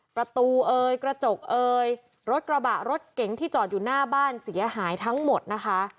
เอ่ยกระจกเอยรถกระบะรถเก๋งที่จอดอยู่หน้าบ้านเสียหายทั้งหมดนะคะ